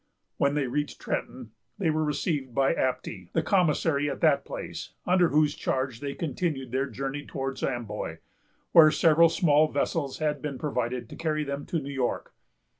When they reached Trenton, they were received by Apty, the commissary at that place, under whose charge they continued their journey towards Amboy, where several small vessels had been provided to carry them to New York.